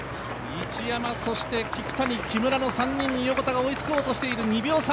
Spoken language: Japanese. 市山、聞谷、木村の３人に横田が追いつこうとしている、２秒差。